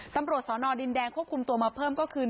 ตำรวจสอนอดินแดงควบคุมตัวมาเพิ่มก็คือ